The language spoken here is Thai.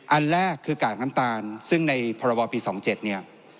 อันแรกคือกากน้ำตาลซึ่งในภารวรปีสองเจ็ดเนี่ย